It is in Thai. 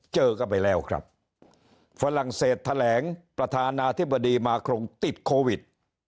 เจอกันไปแล้วครับฝรั่งเศสแถลงประธานาธิบดีมาครงติดโควิด